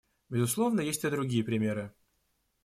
Безусловно, есть и другие примеры.